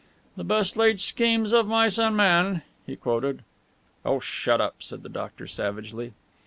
"'The best laid schemes of mice and men!'" he quoted. "Oh, shut up," said the doctor savagely.